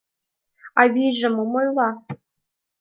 — Авийже мом ойла?